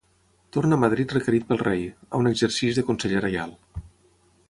Torna a Madrid requerit pel Rei, on exerceix de conseller reial.